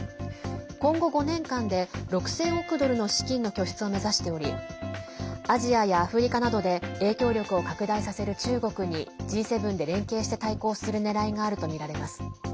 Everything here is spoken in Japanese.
今後５年間で６０００億ドルの資金の拠出を目指しておりアジアやアフリカなどで影響力を拡大させる中国にＧ７で連携して対抗する狙いがあるとみられます。